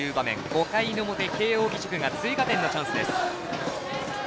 ５回の表慶応義塾が追加点のチャンスです。